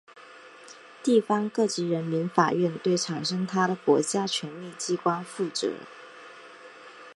地方各级人民法院对产生它的国家权力机关负责。